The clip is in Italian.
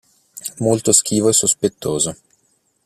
Molto schivo e sospettoso.